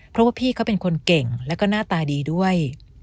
เพราะว่าพี่เขาเป็นคนเก่งแล้วก็หน้าตาดีด้วย